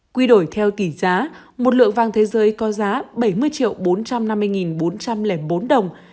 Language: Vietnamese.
quy đổi theo tỷ giá một lượng vàng thế giới có giá bảy mươi bốn trăm năm mươi bốn trăm linh bốn đồng